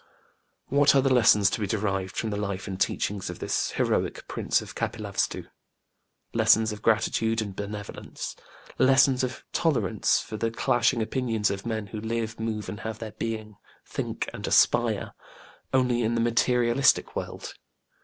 What are the lessons to be derived from the life and teachings of this heroic prince of KapilavastĖĢu? Lessons of gratitude and benevolence. Lessons of tolerance for the clashing opinions of men who live, move and have their being, think and aspire, only in the material world.